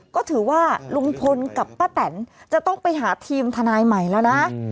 ก็ถือว่าลุงพลกับป้าแตนจะต้องไปหาทีมทนายใหม่แล้วนะ